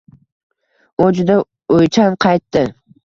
U juda o‘ychan qaytdi.